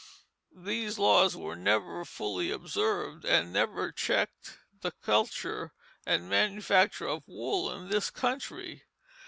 These laws were never fully observed and never checked the culture and manufacture of wool in this country.